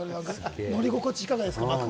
乗り心地はいかがですか？